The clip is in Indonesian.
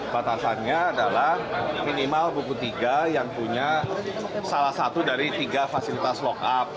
batasannya adalah minimal buku tiga yang punya salah satu dari tiga fasilitas lok up